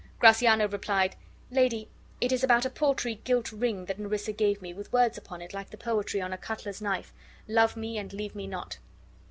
Gratiano replied, "Lady, it is about a paltry gilt ring that Nerissa gave me, with words upon it like the poetry on a cutler's knife: 'Love me, and leave me not.